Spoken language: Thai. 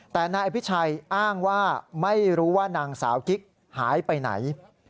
แต่นายอภิชัยอ้างว่าไม่รู้ว่านางสาวกิ๊กหายไปไหน